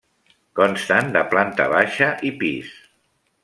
Consten de planta baixa i pis.